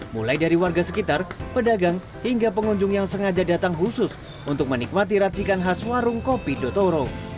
mulai dari warga sekitar pedagang hingga pengunjung yang sengaja datang khusus untuk menikmati racikan khas warung kopi dotoro